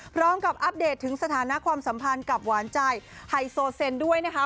อัปเดตถึงสถานะความสัมพันธ์กับหวานใจไฮโซเซนด้วยนะคะ